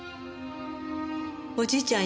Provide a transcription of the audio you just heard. おじいちゃん